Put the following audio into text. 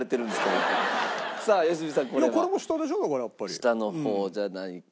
下の方じゃないか。